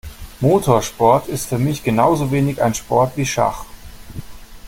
Motorsport ist für mich genauso wenig ein Sport wie Schach.